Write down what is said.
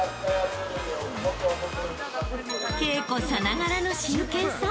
［稽古さながらの真剣さ］